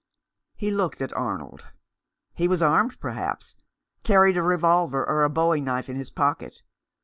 He looked at Arnold. He was armed, perhaps ; carried a revolver or a bowie knife in his pocket.